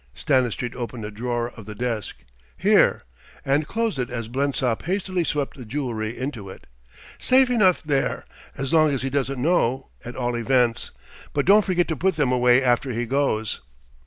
Stanistreet opened a drawer of the desk "Here!" and closed it as Blensop hastily swept the jewellery into it. "Safe enough there as long as he doesn't know, at all events. But don't forget to put them away after he goes."